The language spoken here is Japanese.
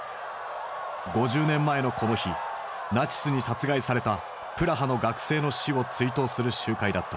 ５０年前のこの日ナチスに殺害されたプラハの学生の死を追悼する集会だった。